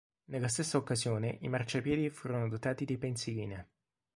Nella stessa occasione i marciapiedi furono dotati di pensiline.